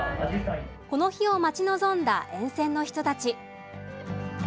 この日を待ち望んだ沿線の人たち。